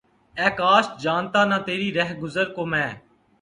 اے کاش! جانتا نہ تیری رہگزر کو میں!